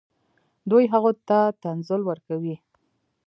دوی هغوی ته تنزل ورکوي.